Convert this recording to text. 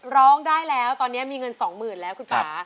ร้องได้แล้วตอนนี้มีเงิน๒๐๐๐แล้วคุณป่า